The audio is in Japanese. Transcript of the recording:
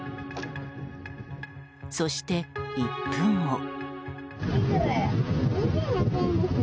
そして１分後。